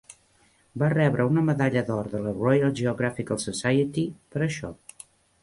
Va rebre una medalla d'or de la Royal Geographical Society per això.